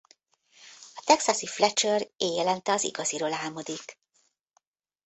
A texasi Fletcher éjjelente az igaziról álmodik.